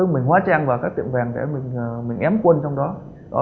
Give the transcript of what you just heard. mình hóa trang vào các tiệm vàng để mình ém quân trong đó